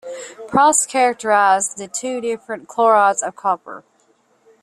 Proust characterized the two different chlorides of copper.